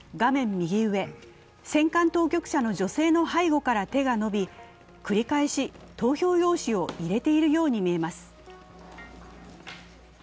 右上、選管当局者の女性の背後から手が伸び、繰り返し投票用紙を入れているように見えます。